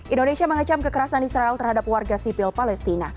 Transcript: indonesia mengecam kekerasan israel terhadap warga sipil palestina